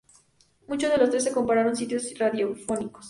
Muchos de los trece compraron sitios radiofónicos.